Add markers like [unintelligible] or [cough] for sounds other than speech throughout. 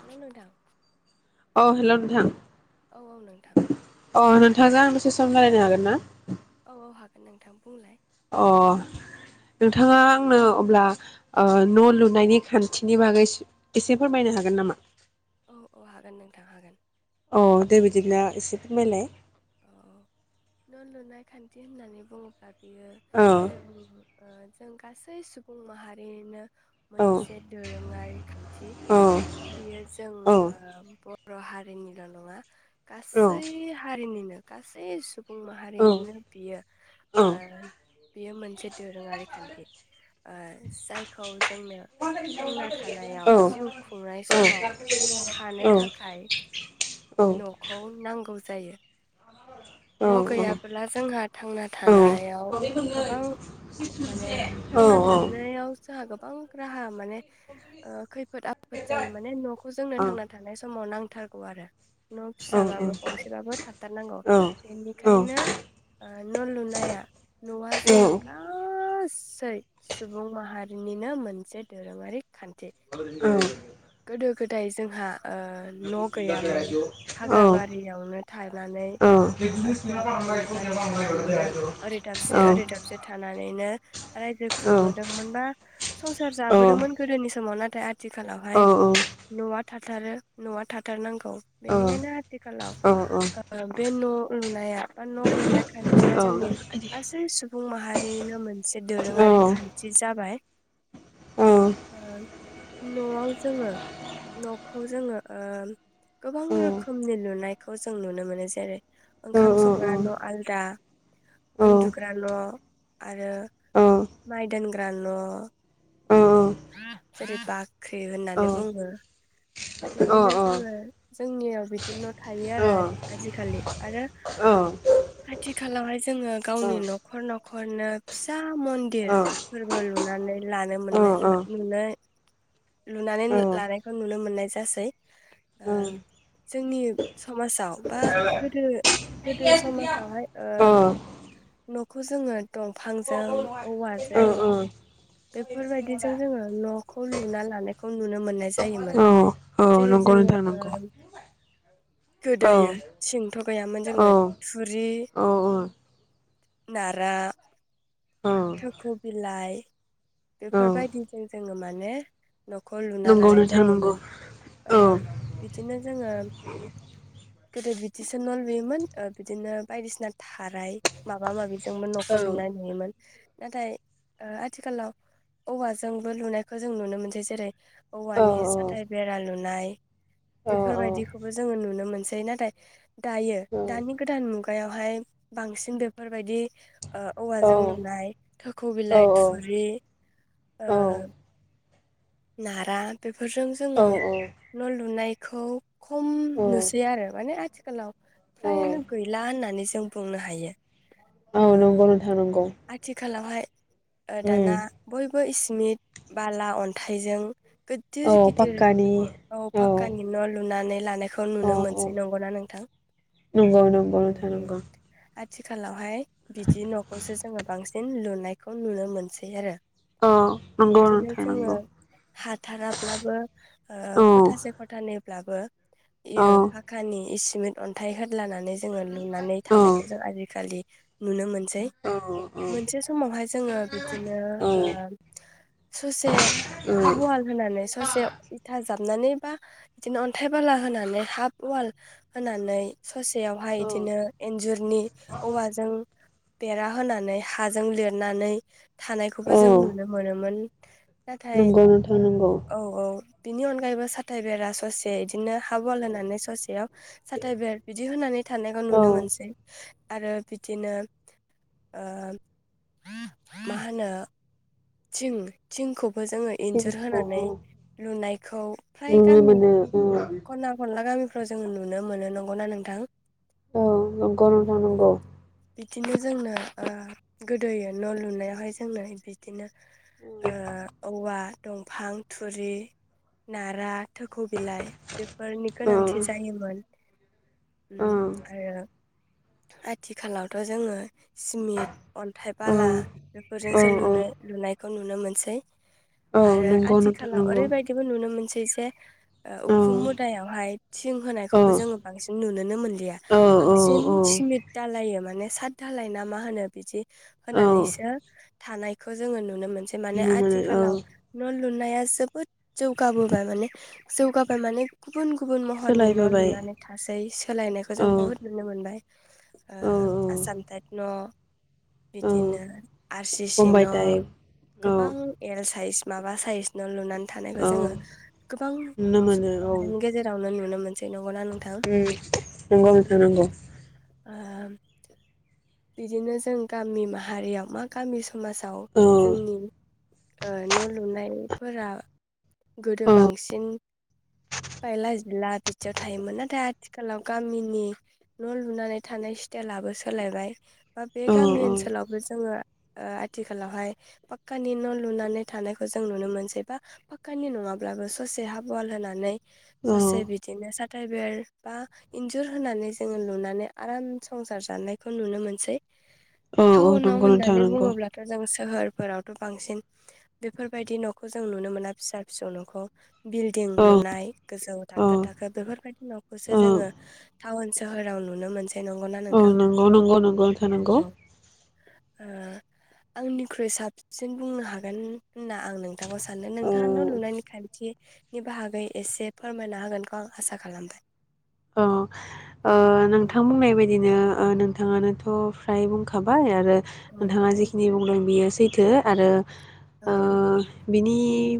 Hello नोंथां। अ hello नोंथां। औ औ नोंथां। अ नोंथांजों आं दसे सम रायलायनो हागोन ना? औ औ हागोन नोंथां बुंलाय। अ नोंथाङा आंनो अब्ला ओ न' लुनायनि खान्थिनि बागै एसे फोरमायनो हागोन नामा? औ औ हागोन नोंथां हागोन। औ दे बिदिब्ला एसे फोरमायलाय। औ न' लुनाय खान्थि होननानै बुङोब्ला बेयो औ जों ओ जों गासै सुबुं माहारिनो औ मोनसे दोरोङारि खान्थि औ बियो जों औ ओ बर' हारि निल' नङा गासै हारिनि गासै सु सुबुं औ माहारियनो बियो औ ओ बेयो मोनसे दोरोङारि खान्थि ओ जायखौ जोंनो थांना थानायाव औ जिउ खुंनाय समाव औ थानो थाखाय औ। न'खौ नांगौ। नांगौ जायो। औ न' गैयाबोला जोंहा थांना थानायाव गोबां माने थांना थानायाव जोहा गोब गोबां राहा माने ओ खैफोद आफोद जायो माने न'खौ जोंनो थांना थानाय समाव नां थारगौ आरो न' फिसाबाबो गंसेबाबो थाथारनांगौ। बेनिखायनो ओ न' लुनाया न'आ जोंनि गास सै सुबुं माहारिनिनो मोनसे दोरोङारि खान्थ ओं गोदो गोदाय जोंहा ओ न' औ गैयामोन औ हाग्रा औ बारियावनो थानानै औ औ औ हाग्रा औ बारि बारि थानानैनो ओरै दाबसे ओरै दाबसे थानानैनो रायजो खुंबोदोंमोन बा संसार जाबोदोंमोन गोदोनि नाथाय आथ थिखालावहाय न'आ थाथारो न'आ थाथारनांगौ बेनिखायनो आथिखालाव ओ बे न' लुनाया बा लुनाय खान्थिया जोंनि औ गास गासै सुबुं माहारिनिनो मोनसे दोरोङारि खान्थि जाबाय ओ न'आव जोङो न'खौ जोङो ओम गोबां रोखोमनि लुनायखौ जों नुनो मोनो जेरै ओंखाम संग्रा न' आलदा उन्दुग्रा न' आरो माइ दोनग्रा न' जेरै बाख ख्रि होननानै बुङो बिदिनो जोङो जोंनियाव बिदिनो थायो आरो आदि आजिखालि। आरो आथिखालावहाय जोङो गावनि न'खर न'खरनो फिसा मन्दिर फोरबो लुनानै लानो मोननाय ला नुनाय लुनानै लानायखौ नुनो मोननाय जासै ओ जोंनि समाजाव बा गोदो गोदो समाजावहाय ओ न'खौ जोङो दंफांजों औवाजों बेफोरबायदिजों जोङो न'खौ लुना लानायखौ नुनो मोननाय जायोमोन। औ जेरै नंगौ जोङो नोंथां ओ नंगौ। औ गोदोयो थगायामोन औ जोङो थुरि, औ नारा, थख'बिलाइ बेफोर औ बायदिजों जोङो माने न' खौ लुना नंगौ लानाय नोंथां नंगौ जायोमोन ओ औ बिदिनो जोङो गोदो बिद दिसो न' लुयोमोन ओ बिदिनो बायदिसिना थाराय माबा माबि जोंबो औ न'खौ लुनाय नुयोमोन। नाथाय ओ आथिखालाव औवाजोंबो लुनायखौ जों नुनो मोनसै। जेरै औ औवानि साथाय बेरा लुनाय औ बेफोरबायदि खोबो जोङो नुनो मोनसै। नाथाय दायो औ दानि गोदान मुगायावहाय बांसिन बेफोरबायदि ओ औ औवाजों लुनाय थख' औ बिलाइ थुरि ओ औ नारा बे फोरजों जोङो औ न' लुनाय खौ खम नुसै आरो माने आथिखालाव औ फ्रायानो गैला होननानै जों बुंनो हायो। ओ नंगौ नोंथां नंगौ। आथिखालावहाय ओ दाना उम बयबो इसिमिट बाला अन्थाइजों गोददिर औ गिदिर पाक्कानि औ फाकानि न' लुनानै लानाय खौ नुनो औ औ मोनसै नंगौना नोंथां? नंगौ नंगौ उम नोंथां उम नंगौ आ थिखालावहाय बिदि न'खऔसो जों बांसिन लुनायखौ नुनो मोनसै आरो औ नंगौ बिदिनो नोंथां जोङो नंगौ हाथाराब्लाबो ओ औ ख'थासे ख'थानै ब्लाबो औ इयो फाखानि इस सिमेट अन्थाइ होदलानानै जोङो लुनानै औ थानायखौ जों आजिखालि नुनो मोनसै। औ मोनसे समावहाय जोङो बिदिनो औ ओम ससे हाब उवाल होनानै ससे इथा जाबनानै बा इदिनो अन्थाइ बाला होनानै हाफ अवाल होनानै ससेयावहाय औ इदिनो इन्जुरनि औवाजों बेरा होनानै हाजों लिरनानै थानायखौबो औ जों नुनो मोनोमोन। नाथाय नंगौ नोंथां नंगौ। औ औ बिनि अनगायैबो साथाइ बेरा ससे इदिनो हाब उवाल होनानै ससेयाव साथा बेर बिदि होनानै थानायखौ औ नुनो मोनसै आरो बिदिनो ओ मा होनो? थिं थिंखौब बो जोङो इन्जुर थिंखौ होनानै औ लुनायख नुनो माने उम‌। खना खनला गामिफ फ्रा जोंङो नुनो मोनो नंगौना नोंथां? अ नोंगौ नोंथां नोंगौ। बिदिनो जोंनो ओ गोदोयो न' लुनायावहाय जोंनो बिदिनो ओ औवा, दंफां, थुरि, नारा थोखौ बिलाइ। बेफोरनि औ गोनांथि जायोमोन उम औ आरो आथिखालावथ' जोङो सिमिट, अन्थाइ, औ बाला बेफोरजोंसो औ औ लुनो लुनायखौ नुनो मोनसै। औ आरो नंगौ नोंथां आथिखालाव नंगौ ओरैबायदिबो नुनो मोनसैज बे ओ औ खुम मुदायावहाय थिं औ होनायखौबो जोङो बांसिन नुुनोनो मोनलिया औ बांसिन औ औ सिमिट दालायो माने साादधालायना मा होनो बिदि औ होनानैसो थानायख खो जोङो नुनो मोन सो माने नुनो मोनो औ आथिखालाव नलु लुनाया जोबोद जौगाबोबाय माने जौगाब बामाने बुन गुबुन महरनि न' सोलायबोबाय लुनानै थासै सोलायनायखो जों औ बुहुद नुनो मोनबाय ओ औ आसामथाइट न'। औ बिदिनो आर सि सि बम्बाइ न' टाइप औ गोबां एल साइस माबा साइज न' लुनान थानायखौ औ जोङो गोबां सुबुं माहारिनि गेजेरावनो नुनो मोनसै नंगौना नोंथां उम नंगौ नोंथां नंगौ। ओम बिदिनो जों गामि माहारियाव मा गामि स समाजाव औ जोंनि ओ न' लुनायफोरा गोदो औ बांसिन बायला जिला बिदियाव थायोमोन नाथाय आथिखालाव गामिनि न' लुनानै थानाय स्टाइलाबो सोलायबाय। बा बे औ औ गामि ओनसोलावबो जोङो ओ आथिखालावहाय पाक्कानि न' लुनानै थानायखौ जों नुनो मोनसै बा पाक्कानि नङाब्लाबो ससे हाबुवाल होनानै ससे औ बिदिनो सा ताइभेल बा इन्जुर होनानै जोङो लुनानै आराम संसार जानायखौ नुनो मोन सै औ टाउनाव नंगौ नोंथां होननानै नंगौ बुङोब्लाथ' जों सोहोरफोराव बांसिन बेफोरबायदि न'खौ जों नुनो मोना फिसा फिसौ न'खौ। बिल्डिं औ लुनाय गोजौ औ थाखो थाखो बेफोरबायदि न'खौसो औ जोङो टाउन सोहोराव नुनो मोनसै। नंगौना औ नोंथां? नंगौ नंगौ नंगौ नोंथां औ नंगौ औ ओ आंनिख्रुइ साबसिन बुंनो हागोन होनना आं नों थांखौ साननो औ नोंथाङा न' लुनायनि खान्थि नि बाहागै एसे फोरमायना होगोनखौ आं आसा खालामबाय। औ ओ नोंथां बुंनाय बायदिनो ओ नोंथाङानोथ' फ्राय बुंखाबाय आरो आरो औ नोंथाङा जिखिनि बुंदों बियो सैथो आरो औ ओ बिनि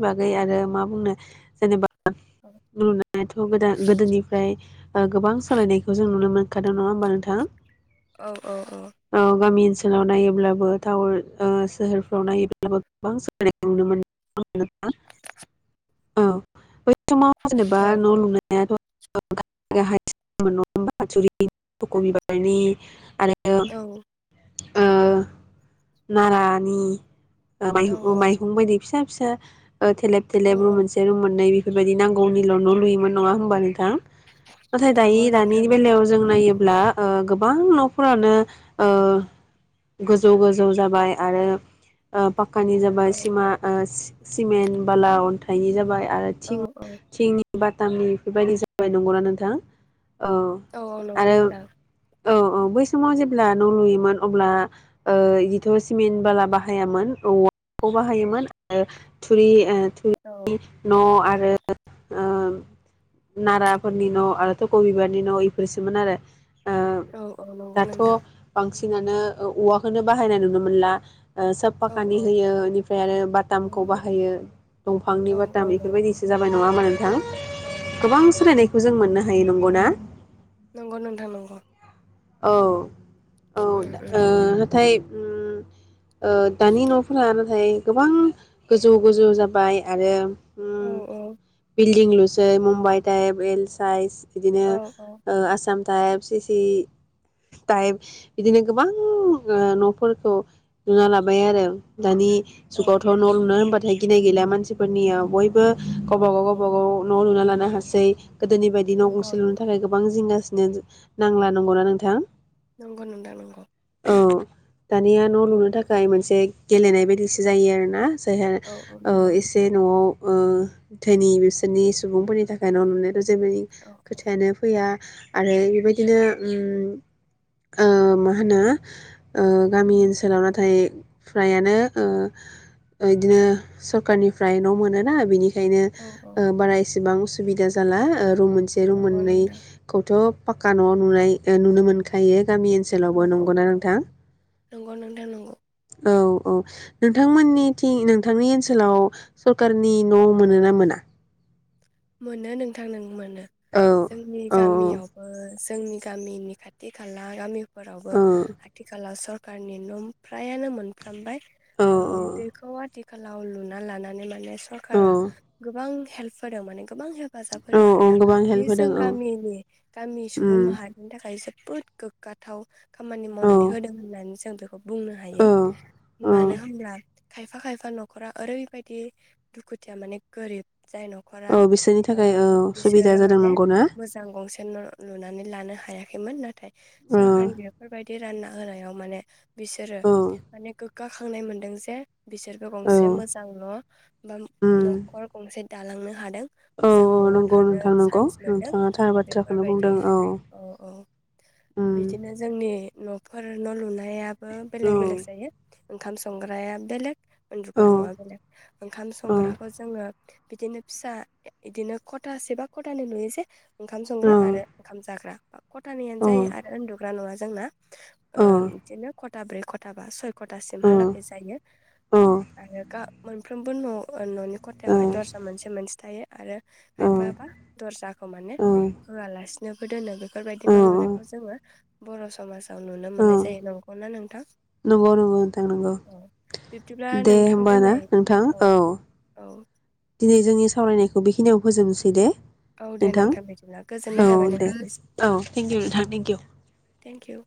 बागै आरो मा बुंनो जेनेबा लुनायाथ' गोदान गोदोनिफ्राय ओ गोबां सालायनायखौ जों नुनो मोनखादों नङा होमबा नोंथां? औ औ औ। सोलाव नायोब्लाबो टाउन ओ सोहोरफ्राव नायोब्लाबो गोबां सोलायनायखौ नुनो मोनो [unintelligible] औ। समाव जेनेबा न' लुनायाथ' [unintelligible] औ। ओ नारानि ओ औ माइ औ माइहुं बायदि फिसा फिसा। [unintelligible] ओ थेलेब थेलेब रुम मोनसे रुम मोननै। बेबायदि नांगौनिल' न' लुयोमोन नङा होमबा नोंथां। नाथाय दायो नंगौ दानि नोंथां नंगौ बेलायाव जों नायोब्ला ओ गोबां न'फोरानो ओ गोजौ गोजौ जाबाय आरो पाक्कानि जाबाय औ सिमा ओ सिमेन्ट बाला अन्थाइनि जाबाय। आरो औ थिं औ थिंनि बाथामनि इफोरबायदि जा बाय नंगौना नोंथां औ औ औ नंगौ आरो नोंथां। औ औ बै समाव जेब्ला न' लुयोमोन अब्ला ओ इदिथ' सिमेन्ट बाला बाहायामोन औवाखौ बाहायोमोन आरो थुरि ओ औ थुरिनि न' आरो आरो ओ नाराफोरनि न' आरोथ' थक बिबारनि न' इफोरसोमोन आरो। ओ औ औ नंगौ नोंथां। सिनानो औवाखौनो बाहायनाय नुनो मोनला। ओ साब औ फाखानि औ होयो इनिफ्राय आरो बाटामखौ बाहायो दंफांनि औ औ बाटाम नंगौ इफोरबायदिसो जाबाय नङा होमबा औ औ नोंथां। सोलायनायखौ जों मोननो हायो नंगौ ना नंगौ नोंथां नंगौ औ औ उम दा ओ नाथाय ओम ओ दानि न'फोरा नाथाय गोबां गोजौ गोजौ जाबाय आरो उम औ ओम बिल दिंलुसै मुम्बाइ टाइप एल साइस बिदिनो औ ओ आसाम टाइफस सि सि टाइप बिदिनो गोबां ओ न'फोरखौ लुना लाबाय आरो दानि औ जुगावथ' न' लुनो होनबा थाय गिनाय गैला मानसिफोरनियाव बय बो औ गावबा गाव औ गावबा गाव न' लुना लानो हासै गोदोनि बायदि न' गंसे नंगौ लुनो नंगौ थाखाय गोबां जिंगासि नो नांला नंगौना नों थां नंगौ नोंथां नंगौ औ दानिया न' लुनो थाखाय मोनसे गेलेनाय बायदिसो जायो आरोना। जायहा औ औ ओ नंगौ एसे न'आव ओ धोनि बिसोरनि सुबुंफोरनि थाखाय न' लुनो औ [unintelligible] खोथायानो फैया आरो बेबायदिनो ओम ओ मा होनो ओ गामि ओनसोलाव नाथाय फ्राययानो ओ ओ इदिनो सरखारनिफ्राय न' मोनोना बिनि खायनो औ औ ओ बारा इस सेबां असुबिदा जाला ओ रुम मोनसे रुम नंगौ नोंथां मोननैखौथ' फागखा न'आव नुनाय ओ नुनो मोनो खायो गामि औ ओनसोलावबो औ नंगौना नोंथां? नंगौ नोंथां नंगौ औ औ नोंथांमोननिथिं नोंथांनि ओनसोलाव सरखारनि न' मोनो ना मोना? मोनो नोंथां नों मोनो औ जोंनि औ गामियावबो जोंनि गामिनि खाथि खाला गामि फोरावबो औ आथिखालाव स कारनि न' फ्रायानो मोनफ्रामबाय। औ ओम बेखौ आथि खालाव लुना लानानै माने औ सरकारा गोबां हेल्प होदों माने गोबां हेब फाजाब औ होदों औ आरोना गोबां बे हेल्प जों होदों औ गामिनि गामि सुबुं उम माहारिनि थाखाय जोब बोद गोग्गाथाव। खामानि औ मावनानै होदों होननानैस जों खौ बुंनो औ हायो मानो औ होनब्ला खायफा खायफा न'खरा ओरैबायदि दुखुथिया माने गोरिब जाय औ न'खरा बिसोरनि ओ थाखाय औ सुबिदा बिसोरो जादों माने नंगौ ना? मोजां गंसे न' लुनानै लानो हा हायाखैमोन नाथाय औ सरखारनि बेफोरबायदि रान्ना होनायाव माने बिसोरो औ माने गोख गाखांनाय मोन्दों जे बिसोरबो औ गंसे मोजां न' बा उम न'खर गंसे दालांनो हादों। औ मोजां न'आव नंगौ थानो नोंथां नंगौ सान्स मोनदों नोंथाङा थार बाथ्राखौनो बेफोरबायदि बुंदों औ औ उम बिदिनो जोंनि न'फोर न' लुनाया बो औ बेलेग बेलेग जायो। ओंखाम संग्राया बेलेग औ उन्दुग्रा न'आ बेलेग ओंखाम औ संग्राखौ जोङो बिदिनो फिसा एदिनो ख'थासे बा ख'थानै लुयो जे ओंखाम औ संग्रा आरो ओंखाम जाग्रा। बा खथ थानैआनो जायो आरो उन्दु ग्रा न'आ जोंना औ ओ बिदिनो खथा ब्रै खथा बा सय खथासिमहालागै जायो आरो गा मोनफ्रोमबो न' न'नि औ खथायावहाय दरजा मोनसे मोनसे थायो। आरो औ खायफाबा दर्जाखौ माने ओं होआलासिनोबो दोनो औ बेफोरबायदि न' लुनायखौ जोङो बर' समाजाव नुनो मोननाय जायो नंगौना नोंथां? नंगौ नंगौ नोंथां नंगौ औ बिब्दिब्ला दे नोंथां होमबा ना दोनै नोंथां औ औ दिनै जोंनि सावरायनायखौ बेखिनियाव फोजोबनोसै दे? औ दे नोंथां बिदिब्ला गोजोननाय औ थाबाय दे औ थेंकिउ नोंथांनिसिम औ नोंथां थेंकिउ थेंक इउ।